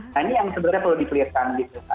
nah ini yang sebenarnya perlu dikliarkan